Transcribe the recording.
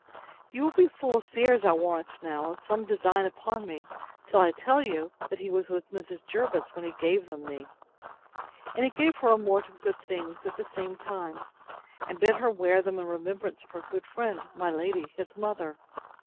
You will be full of fears, I warrant now, of some design upon me, till I tell you, that he was with Mrs. Jervis when he gave them me; and he gave her a mort of good things, at the same time, and bid her wear them in remembrance of her good friend, my lady, his mother.